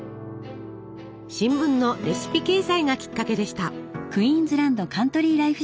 新聞のレシピ掲載がきっかけでした。